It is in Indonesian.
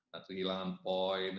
nah kehilangan poin